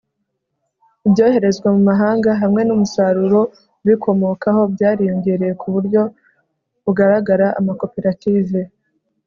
ibyoherezwa mu mahanga hamwe n'umusaruro ubikomokaho byariyongereye ku buryo bugaragara amakoperative